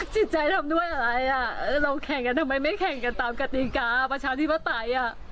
จิตใจทำด้วยอะไรอ่ะเราแข่งกันทำไมไม่แข่งกันตามกติกาประชาธิปไตย